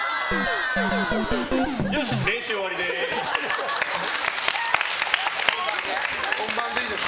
よし、練習終わりです。